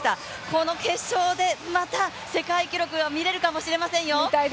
この決勝でまた世界記録が見れるかもしれませんよ。